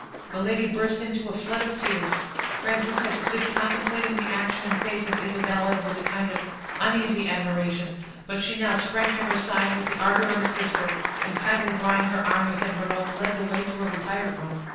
The lady burst into a flood of tears. Frances had stood contemplating the action and face of Isabella with a kind of uneasy admiration, but she now sprang to her side with the ardor of a sister, and kindly drawing her arm within her own, led the way to a retired room.